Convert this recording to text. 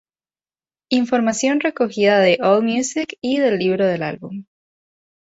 Información recogida de Allmusic y del libro del álbum.